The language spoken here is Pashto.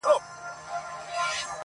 یکه زار سیوری د ولو ږغ راځي له کوهستانه -